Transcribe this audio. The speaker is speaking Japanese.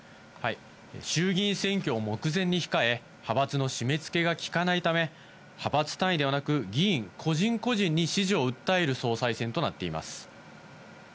衆議院選挙を目前に控え、派閥の締めつけが利かないため、派閥単位ではなく、議員個人個人に支持を訴える総裁選となっています。